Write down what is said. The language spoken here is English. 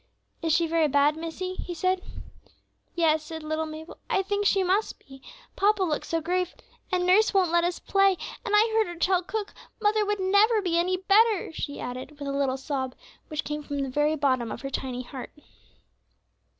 "Is she very bad, missie?" he said. "Yes," said little Mabel, "I think she must be, papa looks so grave, and nurse won't let us play; and I heard her tell cook mother would never be any better," she added, with a little sob, which came from the bottom of her tiny heart.